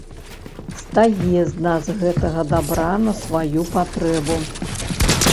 Стае з нас гэтага дабра на сваю патрэбу.